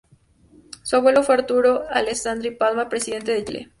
Su abuelo fue Arturo Alessandri Palma, Presidente de Chile.